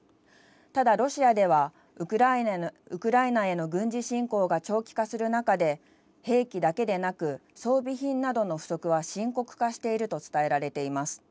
ただ、ロシアではウクライナへの軍事侵攻が長期化する中で兵器だけでなく装備品などの不足は深刻化していると伝えられています。